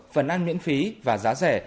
phần ăn miễn phí và giá rẻ